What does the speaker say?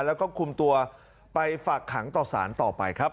แล้วก็คุมตัวไปฝากขังต่อสารต่อไปครับ